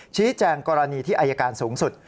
ชี้แจงกรณีที่อายการสูงสุด